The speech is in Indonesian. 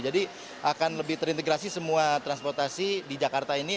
jadi akan lebih terintegrasi semua transportasi di jakarta ini